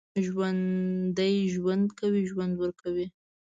ژوندي ژوند کوي، ژوند ورکوي